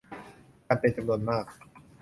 กันเป็นจำนวนมาก